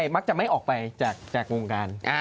มักจะไม่ออกไปจากวงการ